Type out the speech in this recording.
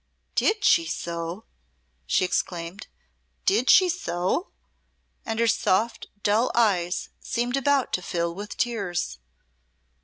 "Did she so?" she exclaimed. "Did she so?" And her soft dull eyes seemed about to fill with tears.